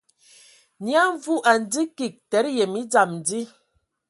Nyia Mvu a ndzi kig tǝdǝ yǝm e dzam dí.